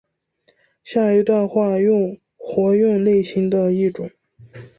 下一段活用活用类型的一种。